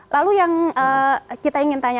lalu yang kita ingin tanya